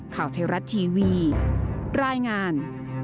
ข่าวไทยรัฐทีวีรายงาน